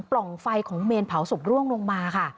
ร่องไฟของเมนเผาศพร่วงลงมาค่ะ